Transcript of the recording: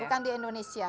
bukan di indonesia